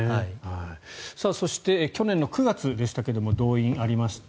そして、去年９月でしたが動員がありました。